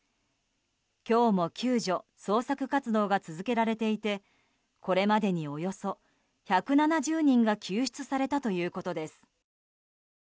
今日も救助・捜索活動が続けられていてこれまでに、およそ１７０人が救出されたということです。